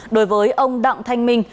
đối với ông đặng thanh minh